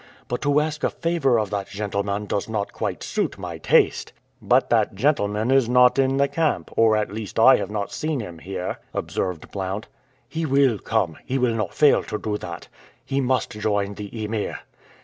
But to ask a favor of that gentleman does not quite suit my taste." "But that gentleman is not in the camp, or at least I have not seen him here," observed Blount. "He will come. He will not fail to do that. He must join the Emir.